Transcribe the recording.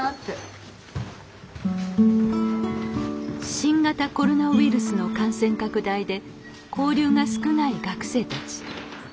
新型コロナウイルスの感染拡大で交流が少ない学生たち。